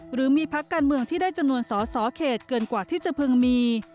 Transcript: หรือมีพักการเมืองที่ได้จำนวนสอสอเขตเกินกว่าที่จะพึงมี